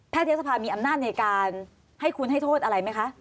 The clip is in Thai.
ทยศภามีอำนาจในการให้คุณให้โทษอะไรไหมคะ